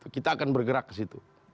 kita akan bergerak ke situ